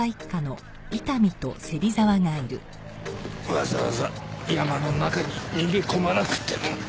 わざわざ山の中に逃げ込まなくても。